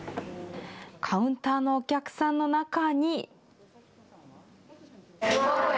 カウンターのお客さんの中に。